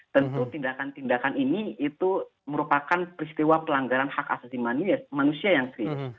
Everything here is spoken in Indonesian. tentu tindakan tindakan ini itu merupakan peristiwa pelanggaran hak asasi manusia yang serius